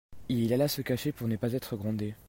Il alla se cacher pour ne pas être grondé.